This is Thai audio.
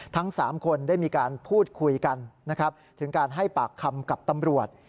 ทั้ง๓คนได้มีการพูดคุยกันนะครับถึงการให้ปากคำกับตำรวจ